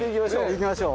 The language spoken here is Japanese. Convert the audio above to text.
行きましょう。